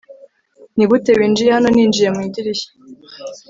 nigute winjiye hano? ninjiye mu idirishya